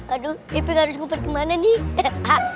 aduh iping harus ngumpet kemana nih